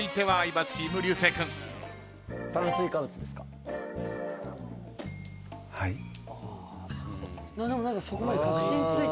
はい。